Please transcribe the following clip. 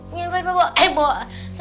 ini udah sana bawa eh bawa